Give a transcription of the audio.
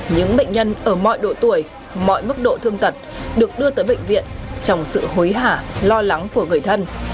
những bệnh nhân ở mọi độ tuổi mọi mức độ thương tật được đưa tới bệnh viện trong sự hối hả lo lắng của người thân